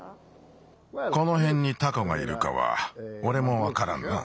このへんにタコがいるかはおれもわからんな。